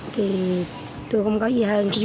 thì tôi không có gì hơn